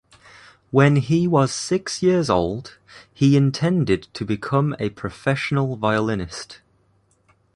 When he was six years old, he intended to become a professional violinist.